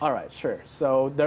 baiklah tentu saja